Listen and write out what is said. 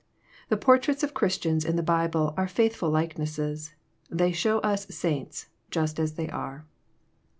The portraits of Christians in the Bible are faithful likenesses. They show us saints just as they are.